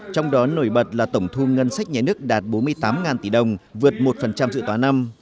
trong đó nổi bật là tổng thu ngân sách nhà nước đạt bốn mươi tám tỷ đồng vượt một dự toán năm